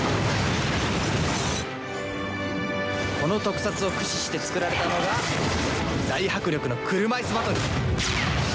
この特撮を駆使して作られたのが大迫力の車いすバトル。